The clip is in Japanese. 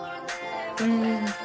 うん。